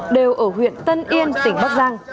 đều ở huyện tân yên tỉnh bắc giang